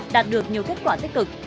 đạt được nhiều kết quả tích cực